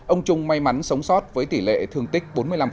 ông trung may mắn sống sót với tỷ lệ thương tích bốn mươi năm